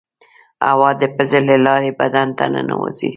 هوا د پزې له لارې بدن ته ننوزي.